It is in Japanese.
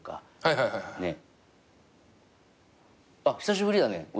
あっ久しぶりだね。